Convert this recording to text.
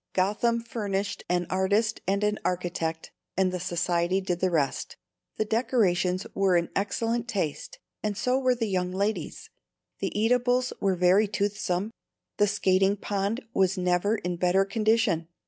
Gotham furnished an artist and an architect, and the Society did the rest. The decorations were in excellent taste, and so were the young ladies. The eatables were very toothsome. The skating pond was never in better condition.